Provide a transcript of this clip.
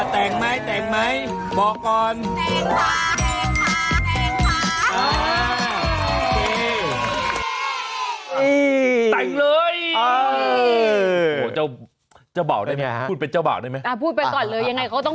แต่งไหมแต่งไหม